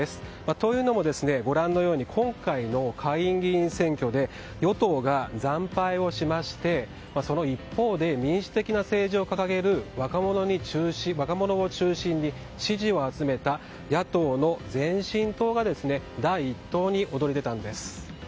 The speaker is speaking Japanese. というのもご覧のように今回の下院議員選挙で与党が惨敗をしましてその一方で民主的な政治を掲げる若者を中心に支持を集めた野党の前進党が第１党に躍り出たんです。